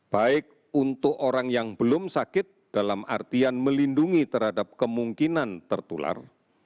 baik untuk orang yang belum sakit dalam artian melindungi terhadap kemungkinan tertular